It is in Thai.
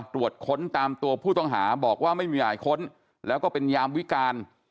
ตรวจค้นตามตัวผู้ต้องหาบอกว่าไม่มีหมายค้นแล้วก็เป็นยามวิการ